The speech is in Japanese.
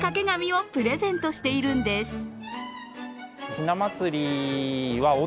紙をプレゼントしているんです。